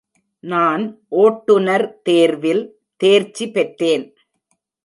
நான் ஓட்டுனர் தேர்வில் தேர்ச்சி பெற்றேன்!.